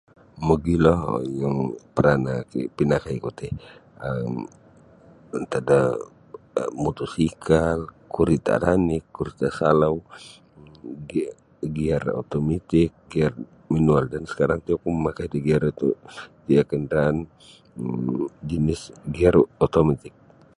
Mogilo iyo perana ti pinakai oku ti um antad da motosikal kurita ranik kurita salau gia giar otomitik giar manual dan sekarang ti oku mamakai da giar itu kenderaan um jinis giar um otomitik.